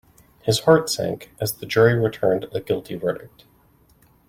His heart sank as the jury returned a guilty verdict.